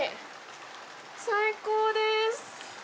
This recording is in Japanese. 最高です。